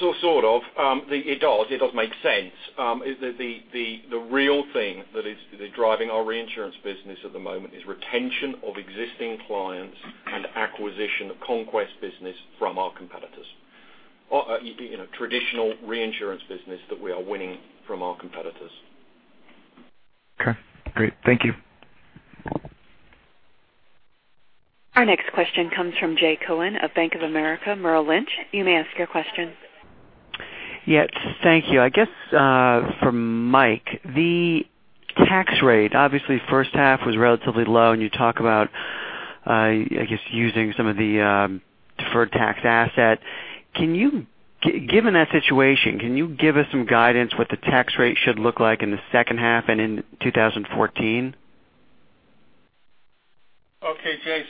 of. It does make sense. The real thing that is driving our reinsurance business at the moment is retention of existing clients and acquisition of conquest business from our competitors. Traditional reinsurance business that we are winning from our competitors. Okay, great. Thank you. Our next question comes from Jay Cohen of Bank of America Merrill Lynch. You may ask your question. Yes, thank you. I guess for Mike, the tax rate, obviously first half was relatively low, and you talk about, I guess, using some of the deferred tax asset. Given that situation, can you give us some guidance what the tax rate should look like in the second half and in 2014? Okay, Jay.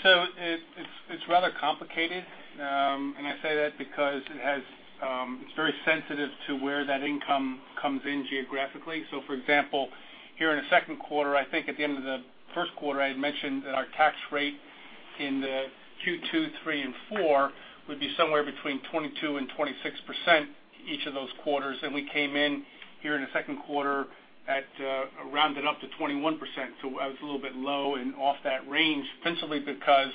It's rather complicated. I say that because it's very sensitive to where that income comes in geographically. For example, here in the second quarter, I think at the end of the first quarter, I had mentioned that our tax rate in the Q2, 3 and 4 would be somewhere between 22% and 26% each of those quarters. We came in here in the second quarter at around and up to 21%. I was a little bit low and off that range, principally because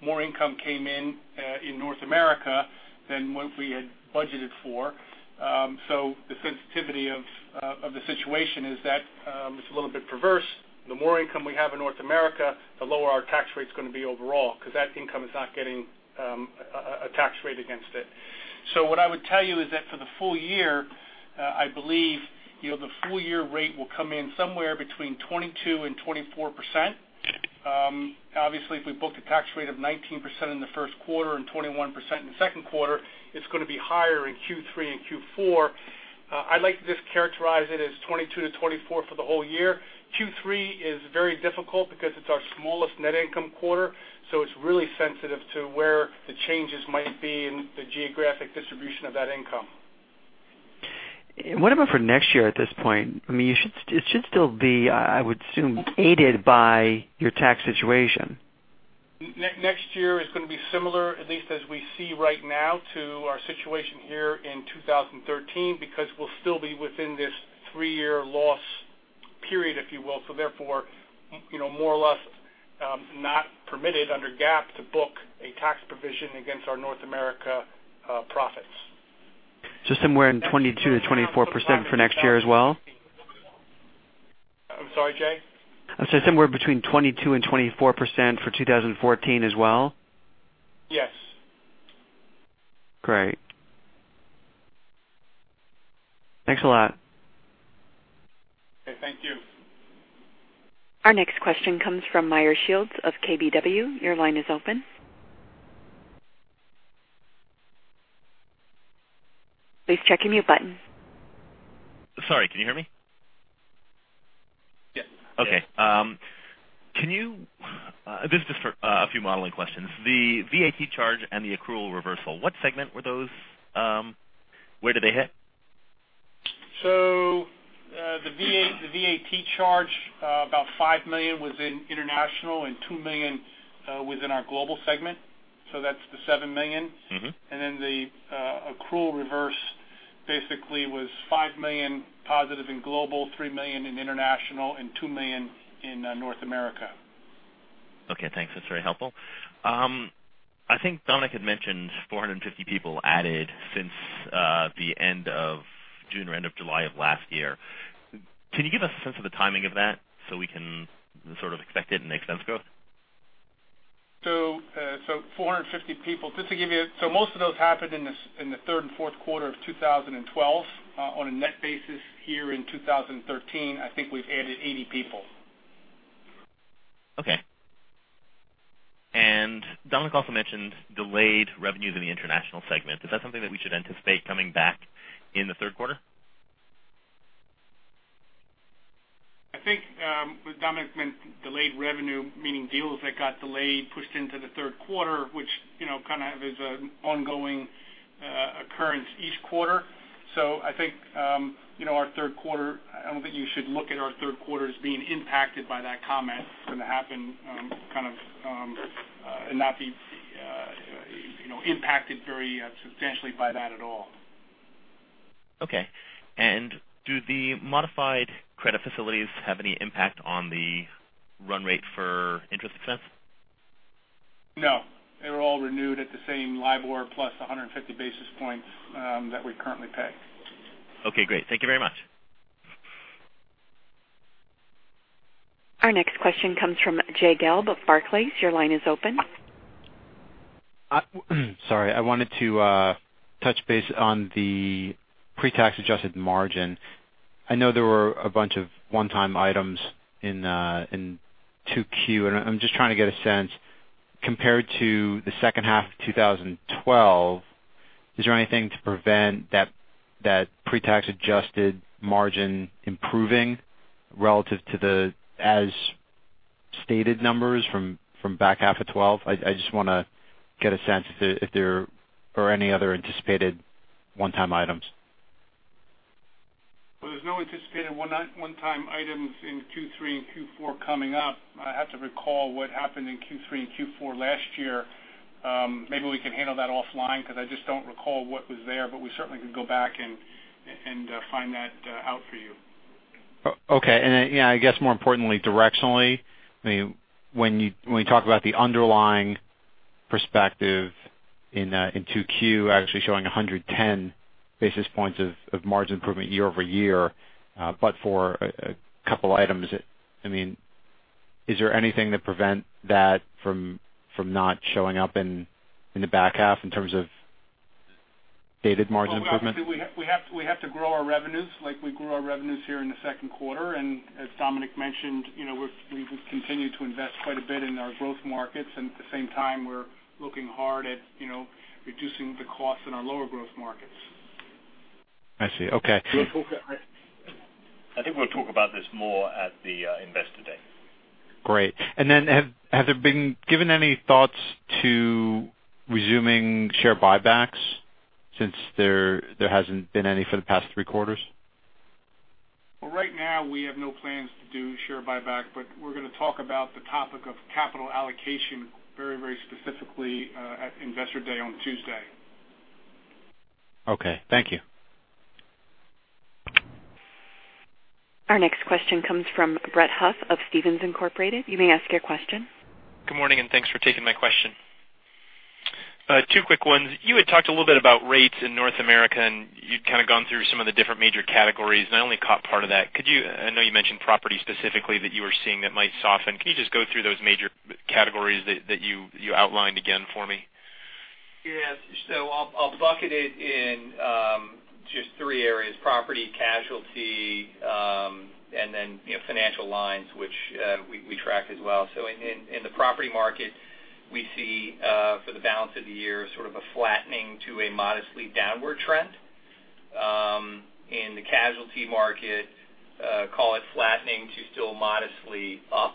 more income came in North America than what we had budgeted for. The sensitivity of the situation is that it's a little bit perverse. The more income we have in North America, the lower our tax rate's going to be overall, because that income is not getting a tax rate against it. What I would tell you is that for the full year, I believe the full-year rate will come in somewhere between 22% and 24%. If we book a tax rate of 19% in the first quarter and 21% in the second quarter, it's going to be higher in Q3 and Q4. I'd like to just characterize it as 22%-24% for the whole year. Q3 is very difficult because it's our smallest net income quarter, so it's really sensitive to where the changes might be in the geographic distribution of that income. What about for next year at this point? It should still be, I would assume, aided by your tax situation. Next year is going to be similar, at least as we see right now, to our situation here in 2013, because we'll still be within this three-year loss period, if you will. Therefore, more or less, not permitted under GAAP to book a tax provision against our North America profits. Somewhere in 22%-24% for next year as well? I'm sorry, Jay. I said somewhere between 22% and 24% for 2014 as well? Yes. Great. Thanks a lot. Okay, thank you. Our next question comes from Meyer Shields of KBW. Your line is open. Please check your mute button. Sorry, can you hear me? Yes. Okay. These are just a few modeling questions. The VAT charge and the accrual reversal, what segment were those? Where did they hit? The VAT charge, about $5 million was in Willis International and $2 million was in our Willis Global segment. That's the $7 million. The accrual reverse basically was $5 million positive in Global, $3 million in International and $2 million in North America. Okay, thanks. That's very helpful. I think Dominic had mentioned 450 people added since the end of June or end of July of last year. Can you give us a sense of the timing of that so we can sort of expect it in the expense growth? 450 people. Most of those happened in the third and fourth quarter of 2012. On a net basis here in 2013, I think we've added 80 people. Okay. Dominic also mentioned delayed revenues in the International segment. Is that something that we should anticipate coming back in the third quarter? I think what Dominic meant delayed revenue, meaning deals that got delayed, pushed into the third quarter, which is an ongoing occurrence each quarter. I don't think you should look at our third quarter as being impacted by that comment. It's going to happen, not be impacted very substantially by that at all. Okay. Do the modified credit facilities have any impact on the run rate for interest expense? No. They were all renewed at the same LIBOR plus 150 basis points that we currently pay. Okay, great. Thank you very much. Our next question comes from Jay Gelb of Barclays. Your line is open. Sorry, I wanted to touch base on the pre-tax adjusted margin. I know there were a bunch of one-time items in 2Q, I'm just trying to get a sense, compared to the second half of 2012, is there anything to prevent that pre-tax adjusted margin improving relative to the as stated numbers from back half of 2012? I just want to get a sense if there are any other anticipated one-time items. Well, there's no anticipated one-time items in Q3 and Q4 coming up. I have to recall what happened in Q3 and Q4 last year. Maybe we can handle that offline because I just don't recall what was there, we certainly could go back and find that out for you. Okay. I guess more importantly, directionally, when you talk about the underlying perspective in 2Q actually showing 110 basis points of margin improvement year-over-year, but for a couple items, is there anything to prevent that from not showing up in the back half in terms of stated margin improvement? Well, obviously, we have to grow our revenues like we grew our revenues here in the second quarter. As Dominic mentioned, we've continued to invest quite a bit in our growth markets. At the same time, we're looking hard at reducing the costs in our lower growth markets. I see. Okay. I think we'll talk about this more at the Investor Day. Great. Have there been given any thoughts to resuming share buybacks since there hasn't been any for the past three quarters? Well, right now, we have no plans to do share buyback, but we're going to talk about the topic of capital allocation very specifically at Investor Day on Tuesday. Okay. Thank you. Our next question comes from Brett Huff of Stephens Inc.. You may ask your question. Good morning, and thanks for taking my question. Two quick ones. You had talked a little bit about rates in North America, and you'd kind of gone through some of the different major categories, and I only caught part of that. I know you mentioned property specifically that you were seeing that might soften. Can you just go through those major categories that you outlined again for me? Yes. I'll bucket it in just three areas, property, casualty, and then financial lines, which we track as well. In the property market, we see for the balance of the year sort of a flattening to a modestly downward trend. In the casualty market, call it flattening to still modestly up.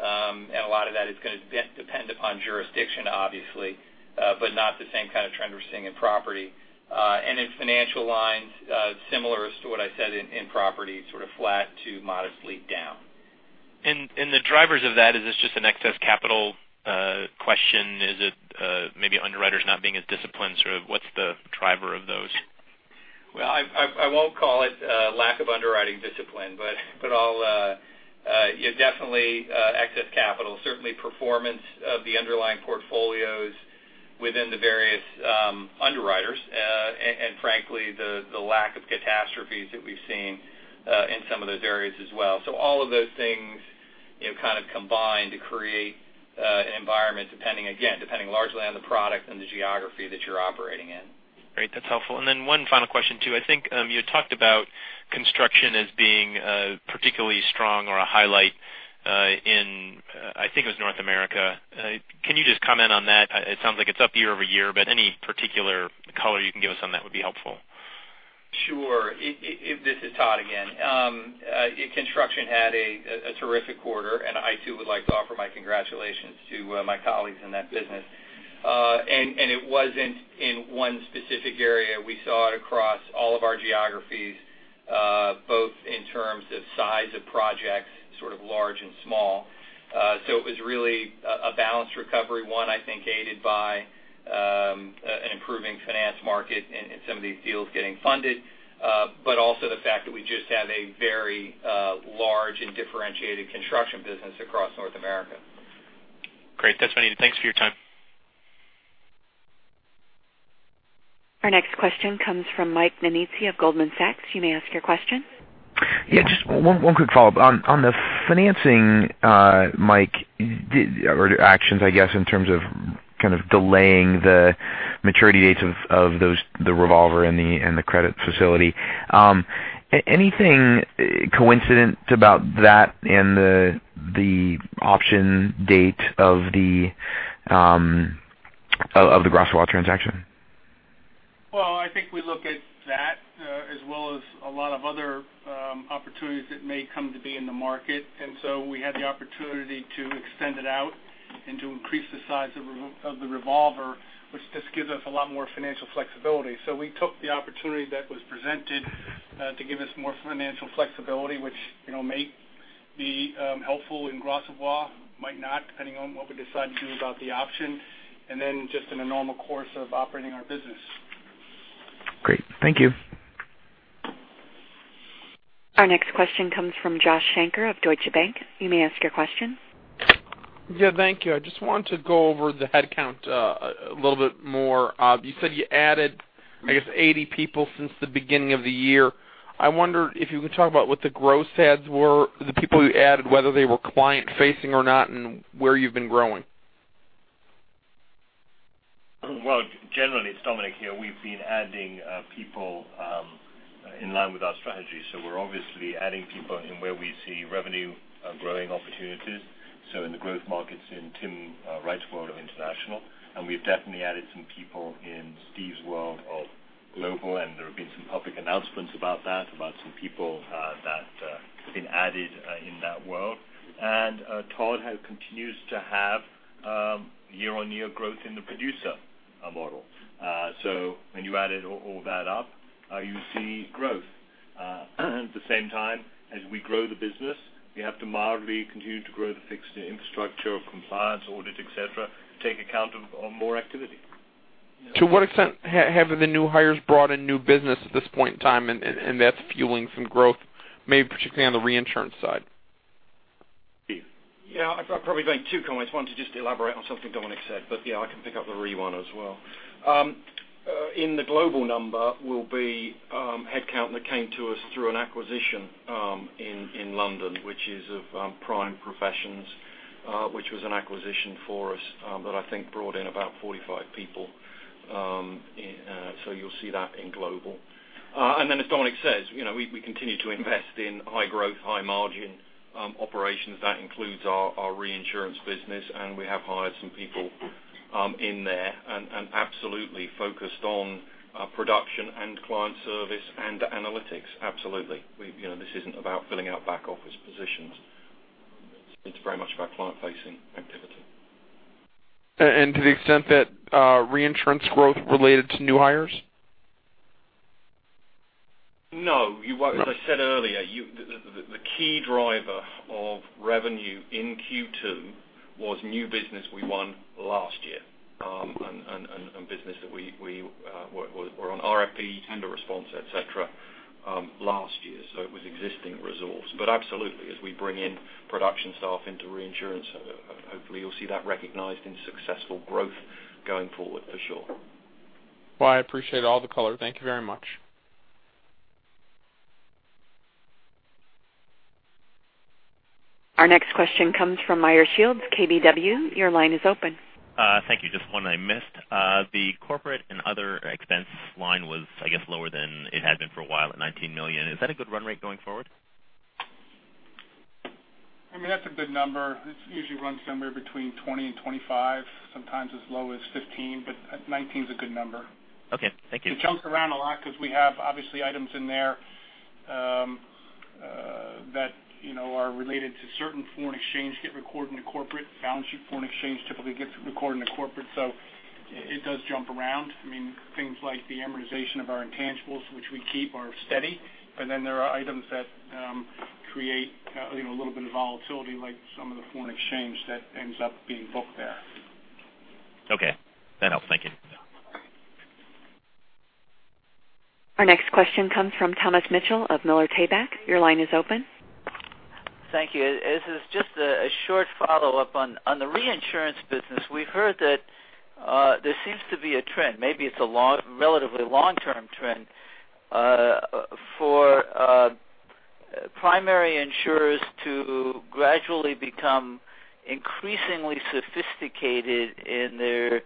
A lot of that is going to depend upon jurisdiction, obviously, but not the same kind of trend we're seeing in property. In financial lines, similar as to what I said in property, sort of flat to modestly down. The drivers of that, is this just an excess capital question? Is it maybe underwriters not being as disciplined, sort of what's the driver of those? Well, I won't call it a lack of underwriting discipline, but definitely excess capital, certainly performance of the underlying portfolios within the various underwriters. Frankly, the lack of catastrophes that we've seen in some of those areas as well. All of those things kind of combine to create an environment, again, depending largely on the product and the geography that you're operating in. Great. That's helpful. One final question, too. I think you had talked about construction as being particularly strong or a highlight in, I think it was North America. Can you just comment on that? It sounds like it's up year-over-year, but any particular color you can give us on that would be helpful. Sure. This is Todd again. Construction had a terrific quarter, I too would like to offer my congratulations to my colleagues in that business. It wasn't in one specific area. We saw it across all of our geographies, both in terms of size of projects, sort of large and small. It was really a balanced recovery, one, I think aided by an improving finance market and some of these deals getting funded. Also the fact that we just have a very large and differentiated construction business across North America. Great. That's what I needed. Thanks for your time. Our next question comes from Mike Nannizzi of Goldman Sachs. You may ask your question. Just one quick follow-up. On the financing, Mike, or the actions, I guess, in terms of kind of delaying the maturity dates of the revolver and the credit facility. Anything coincident about that and the option date of the Gras Savoye transaction? I think we look at that as well as a lot of other opportunities that may come to be in the market. We had the opportunity to extend it out and to increase the size of the revolver, which just gives us a lot more financial flexibility. We took the opportunity that was presented to give us more financial flexibility, which may be helpful in Gras Savoye, might not, depending on what we decide to do about the option. Just in the normal course of operating our business. Great. Thank you. Our next question comes from Joshua Shanker of Deutsche Bank. You may ask your question. Thank you. I just want to go over the headcount a little bit more. You said you added, I guess, 80 people since the beginning of the year. I wonder if you could talk about what the gross heads were, the people you added, whether they were client-facing or not, and where you've been growing. Generally, it's Dominic here, we've been adding people in line with our strategy. We're obviously adding people in where we see revenue growing opportunities. In the growth markets in Tim Wright's world of Willis International, we've definitely added some people in Steve's world of Willis Global, there have been some public announcements about that, about some people that have been added in that world. Todd continues to have year-on-year growth in the producer model. When you added all that up, you see growth. At the same time, as we grow the business, we have to mildly continue to grow the fixed infrastructure of compliance, audit, et cetera, to take account of more activity. To what extent have the new hires brought in new business at this point in time and that's fueling some growth, maybe particularly on the reinsurance side? Steve. Yeah. I'd probably make two comments. One, to just elaborate on something Dominic said. Yeah, I can pick up the re one as well. In the global number will be headcount that came to us through an acquisition in London, which is of Prime Professions, which was an acquisition for us, that I think brought in about 45 people. You'll see that in Willis Global. Then as Dominic says, we continue to invest in high growth, high margin operations. That includes our reinsurance business, we have hired some people in there and absolutely focused on production and client service and analytics. Absolutely. This isn't about filling out back office positions. It's very much about client-facing activity. To the extent that reinsurance growth related to new hires? No. As I said earlier, the key driver of revenue in Q2 was new business we won last year, and business that we were on RFP, tender response, et cetera, last year, so it was existing resource. Absolutely, as we bring in production staff into reinsurance, hopefully you'll see that recognized in successful growth going forward for sure. Well, I appreciate all the color. Thank you very much. Our next question comes from Meyer Shields, KBW. Your line is open. Thank you. Just one I missed. The corporate and other expense line was, I guess, lower than it had been for a while at $19 million. Is that a good run rate going forward? I mean, that's a good number. It usually runs somewhere between 20 and 25, sometimes as low as 15, 19 is a good number. Okay. Thank you. It jumps around a lot because we have obviously items in there that are related to certain foreign exchange get recorded in corporate. Balance sheet foreign exchange typically gets recorded in corporate, it does jump around. I mean, things like the amortization of our intangibles, which we keep, are steady. There are items that create a little bit of volatility, like some of the foreign exchange that ends up being booked there. Okay. That helps. Thank you. Our next question comes from Thomas Mitchell of Miller Tabak. Your line is open. Thank you. This is just a short follow-up. On the reinsurance business, we've heard that there seems to be a trend, maybe it's a relatively long-term trend, for primary insurers to gradually become increasingly sophisticated in their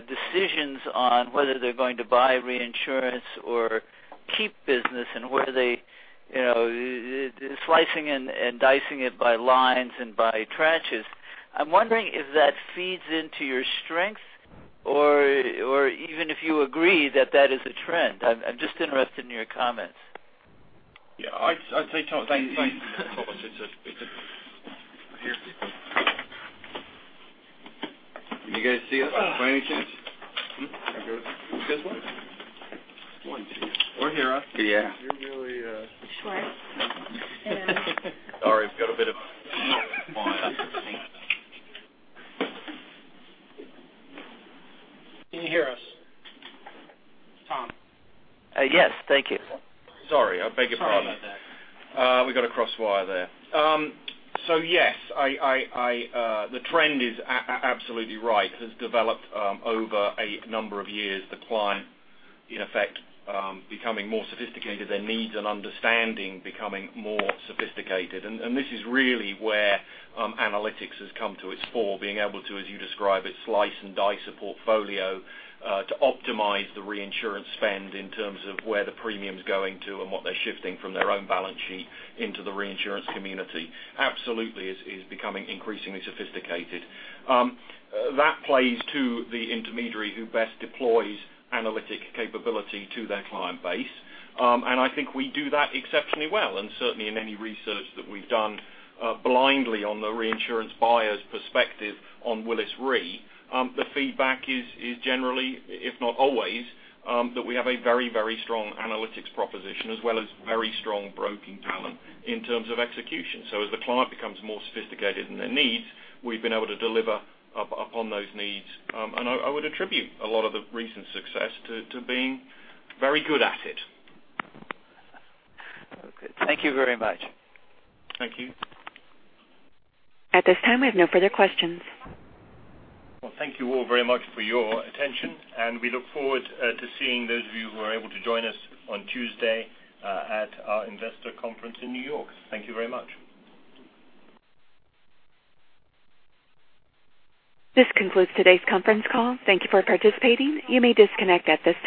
decisions on whether they're going to buy reinsurance or keep business and where they, slicing and dicing it by lines and by tranches. I'm wondering if that feeds into your strength or even if you agree that that is a trend. I'm just interested in your comments. Yeah. I'd say, Tom. Thanks. Can you guys see us by any chance? This one? We're here. Yeah. You're really. Short. Sorry, it's got a bit of a wire. Can you hear us, Tom? Yes. Thank you. Sorry, I beg your pardon. Sorry about that. We got a crossed wire there. Yes, the trend is absolutely right. It has developed over a number of years, the client, in effect, becoming more sophisticated, their needs and understanding becoming more sophisticated. This is really where analytics has come to its fore, being able to, as you describe it, slice and dice a portfolio, to optimize the reinsurance spend in terms of where the premium's going to and what they're shifting from their own balance sheet into the reinsurance community. Absolutely is becoming increasingly sophisticated. That plays to the intermediary who best deploys analytic capability to their client base. I think we do that exceptionally well. Certainly in any research that we've done blindly on the reinsurance buyer's perspective on Willis Re, the feedback is generally, if not always, that we have a very strong analytics proposition as well as very strong broking talent in terms of execution. As the client becomes more sophisticated in their needs, we've been able to deliver upon those needs. I would attribute a lot of the recent success to being very good at it. Okay. Thank you very much. Thank you. At this time, we have no further questions. Well, thank you all very much for your attention, and we look forward to seeing those of you who are able to join us on Tuesday at our investor conference in New York. Thank you very much. This concludes today's conference call. Thank you for participating. You may disconnect at this time.